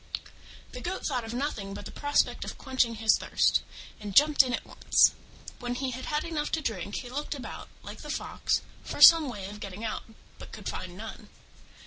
The Goat thought of nothing but the prospect of quenching his thirst, and jumped in at once. When he had had enough to drink, he looked about, like the Fox, for some way of getting out, but could find none.